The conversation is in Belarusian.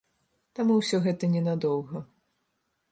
Таму ўсё гэта не надоўга.